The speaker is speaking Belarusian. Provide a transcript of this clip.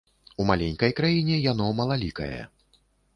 У маленькай краіне яно малалікае.